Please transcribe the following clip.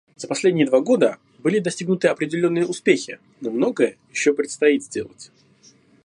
За последние два года были достигнуты определенные успехи, но многое еще предстоит сделать.